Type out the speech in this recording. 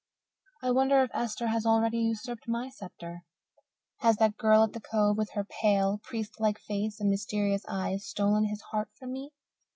I wonder if Esther has already usurped my sceptre. Has that girl at the Cove, with her pale, priestess like face and mysterious eyes, stolen his heart from me?